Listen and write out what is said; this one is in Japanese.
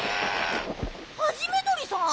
ハジメどりさん！？